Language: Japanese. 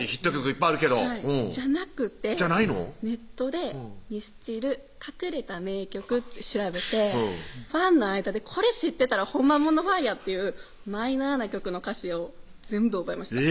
いっぱいあるけどじゃなくてネットで「ミスチル隠れた名曲」って調べてファンの間で「これ知ってたらほんまもんのファンや」っていうマイナーな曲の歌詞を全部覚えました